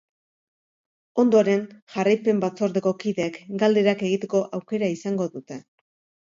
Ondoren, jarraipen batzordeko kideek galderak egiteko aukera izango dute.